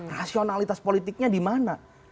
rasionalitas politiknya di mana